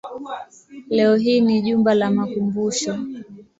Leo hii ni jumba la makumbusho.